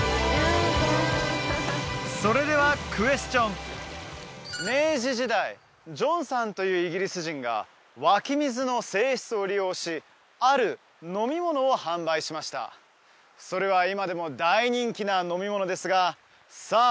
それではクエスチョン明治時代ジョンさんというイギリス人が湧き水の性質を利用しある飲み物を販売しましたそれは今でも大人気な飲み物ですがさあ